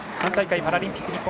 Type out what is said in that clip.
３大会パラリンピック